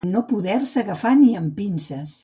No poder-se agafar ni amb pinces.